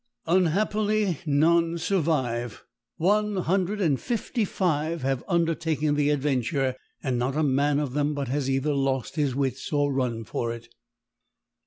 "Unhappily, none survive. One hundred and fifty five have undertaken the adventure, and not a man of them but has either lost his wits or run for it."